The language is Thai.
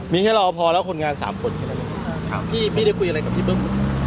มีแค่รอพอแล้วคนงานสามคนแค่นั้นเองพี่พี่ได้คุยอะไรกับพี่เบิ้ม